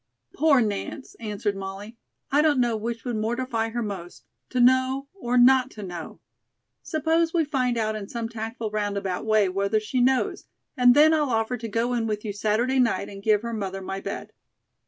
"Poor Nance," answered Molly. "I don't know which would mortify her most: to know or not to know. Suppose we find out in some tactful roundabout way whether she knows, and then I'll offer to go in with you Saturday night and give her mother my bed."